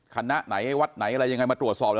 คณะไหนวัดไหนอะไรยังไงมาตรวจสอบ